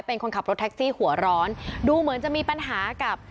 เป็นคนขับรถแท็กซี่หัวร้อนดูเหมือนจะมีปัญหากับ